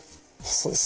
そうです。